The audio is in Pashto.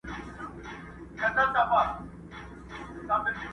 مور د لور خواته ګوري خو مرسته نه سي کولای،